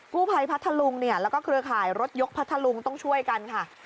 กู้ไพรพัทรลุงและเครือข่ายรถยกพัทรลุงต้องช่วยกันค่ะ